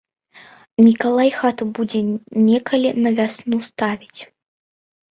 Мікалай хату будзе некалі на вясну ставіць.